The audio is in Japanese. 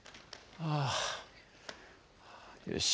「ああよし」。